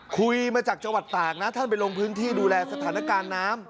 คุยมาจากจังหวัดตากนะท่านไปลงพื้นที่ดูแลสถานการณ์น้ำ